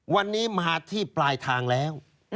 วันนี้มาที่ปลายทางแล้ว